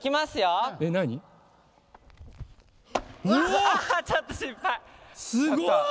すごい！